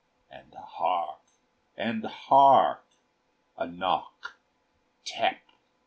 And hark! and hark! a knock Tap!